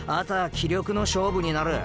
気力の勝負になる。